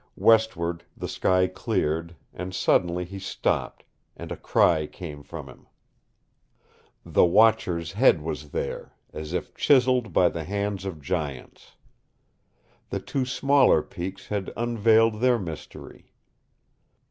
Westward the sky cleared, and suddenly he stopped, and a cry came from him. The Watcher's head was there, as if chiseled by the hands of giants. The two smaller peaks had unveiled their mystery.